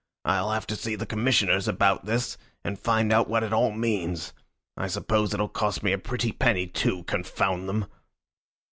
I'll have to see the Commissioners about this, and find out what it all means. I suppose it'll cost me a pretty penny, too, confound them!"